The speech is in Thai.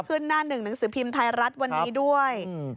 หน้าหนึ่งหนังสือพิมพ์ไทยรัฐวันนี้ด้วย